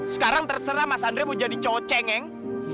sekarang terserah mas andre mau jadi cowok cengeng